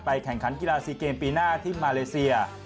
แข่งขันกีฬาซีเกมปีหน้าที่มาเลเซีย